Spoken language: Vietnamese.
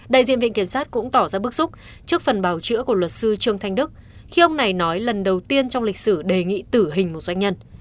đại diện viện kiểm sát cũng tỏ ra bức xúc trước phần bào chữa của luật sư trương thanh đức khi ông này nói lần đầu tiên trong lịch sử đề nghị tử hình một doanh nhân